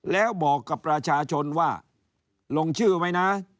แล้วบอกกับประชาชนว่าลงชื่อไว้นะ